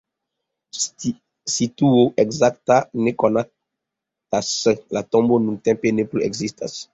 Situo ekzakta ne konatas, la tombo nuntempe ne plu ekzistas.